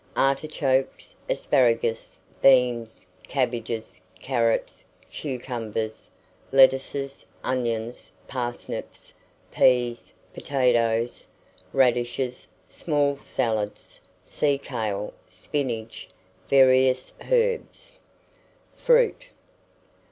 Artichokes, asparagus, beans, cabbages, carrots, cucumbers, lettuces, onions, parsnips, pease, potatoes, radishes, small salads, sea kale, spinach, various herbs. FRUIT.